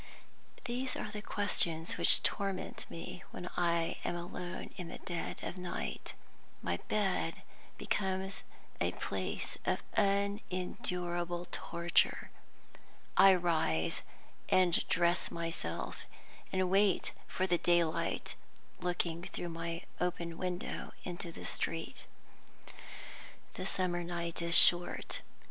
These are the questions which torment me when I am alone in the dead of night. My bed becomes a place of unendurable torture. I rise and dress myself, and wait for the daylight, looking through my open window into the street. The summer night is short.